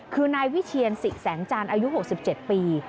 คือนายวิเทียรศิแสนจานอายุหกสิบเจ็ดปี